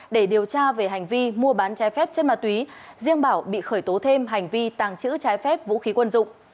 để điều tra về hành vi mua bán trái phép chất ma túy riêng bảo bị khởi tố thêm hành vi tàng trữ trái phép vũ khí quân dụng